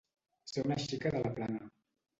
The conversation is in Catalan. Ser una xica de la Plana.